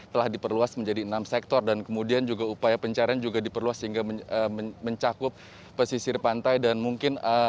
telah diperluas menjadi enam sektor dan kemudian juga upaya pencarian juga diperluas sehingga mencakup pesisir pantai dan mungkin